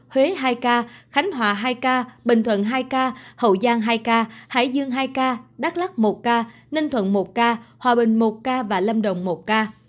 hòa bình một ca và lâm đồng một ca